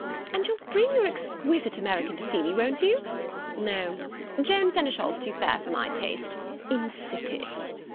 And you'll bring your exquisite American to see me, won't you!... No, Joan Senechal's too fair for my taste.... Insipid...."